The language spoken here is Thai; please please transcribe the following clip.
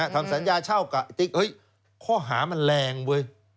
ทำสัญญาเช่ากับไอ้ติ๊กข้อหามันแรงเว้ย